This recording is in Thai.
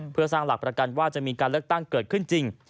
เพื่อสร้างหลักประกันว่าจะมีการเลือกตั้งเกิดขึ้นจริง